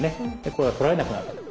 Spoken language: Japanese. これは取られなくなる。